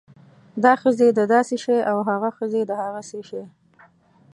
دا ښځې د داسې شی او هاغه ښځې د هاسې شی